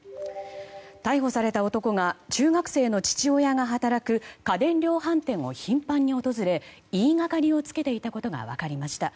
逮捕された男が中学生の父親が働く家電量販店を頻繁に訪れ言いがかりをつけていたことが分かりました。